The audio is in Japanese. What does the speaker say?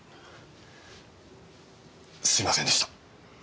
すいませんでした。